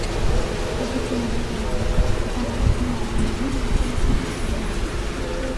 Ռուբիդիումի փոխանակությունն օրգանիզմում վատ է ուսումնասիրված։